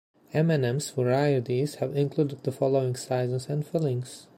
M and M's varieties have included the following sizes and fillings.